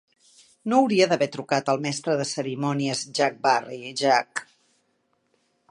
No hauria d'haver trucat el Mestre de Cerimònies, Jack Barry, Jack.